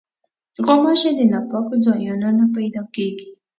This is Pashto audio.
غوماشې د ناپاکو ځایونو نه پیدا کېږي.